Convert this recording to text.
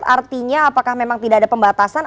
artinya apakah memang tidak ada pembatasan